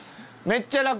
めっちゃ楽。